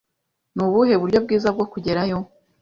Nubuhe buryo bwiza bwo kugerayo?